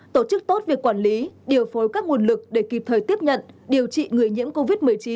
tổ chức tốt việc quản lý điều phối các nguồn lực để kịp thời tiếp nhận điều trị người nhiễm covid một mươi chín